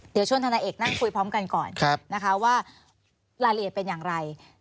เดี๋ยวชวนธนาเอกนั่งคุยพร้อมกันก่อนนะคะว่ารายละเอียดเป็นอย่างไร